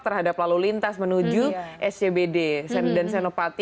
terhadap lalu lintas menuju scbd dan senopati